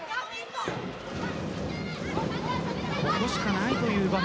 ここしかないという場面。